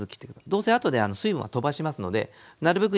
どうせあとで水分はとばしますのでなるべく